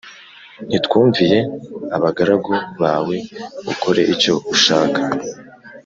Ntitwumviye abagaragu bawe ukore icyo ushaka